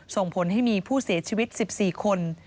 ส่งผลให้มีผู้เสียชีวิต๑๔คน